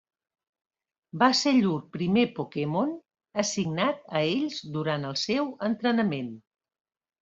Va ser llur primer Pokémon, assignat a ells durant el seu entrenament.